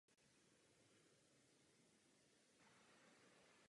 Vzniká v kombinaci přímého slunečního světla a tmavé oblačnosti.